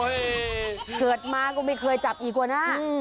เกิดมาก็ไม่เคยจับอีกกว่าหน้า